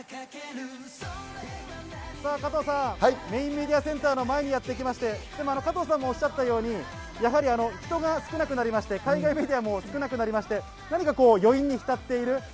メインメディアセンターの前にやってきまして、加藤さんがおっしゃったように人が少なくなりまして、海外メディアも少なくなりまして、何かこう余韻にひたっている。